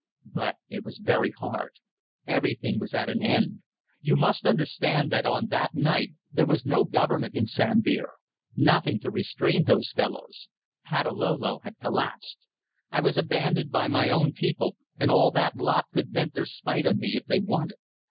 But it was very hard. Everything was at an end. You must understand that on that night there was no government in Sambir. Nothing to restrain those fellows. Patalolo had collapsed. I was abandoned by my own people, and all that lot could vent their spite on me if they wanted.